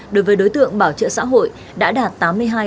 đối với đối tượng bảo trợ xã hội đã đạt tám mươi hai chín mươi chín